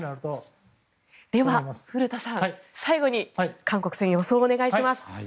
では、古田さん最後に韓国戦の予想をお願いいたします。